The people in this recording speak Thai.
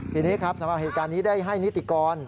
ทีนี้ครับสำหรับเหตุการณ์นี้ได้ให้นิติกร